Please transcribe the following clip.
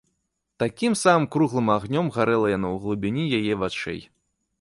Такім самым круглым агнём гарэла яно ў глыбіні яе вачэй.